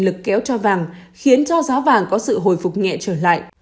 lực kéo cho vàng khiến cho giá vàng có sự hồi phục nhẹ trở lại